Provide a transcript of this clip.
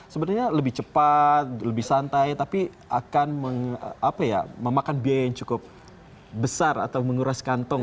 sebenarnya lebih cepat lebih santai tapi akan memakan biaya yang cukup besar atau menguras kantong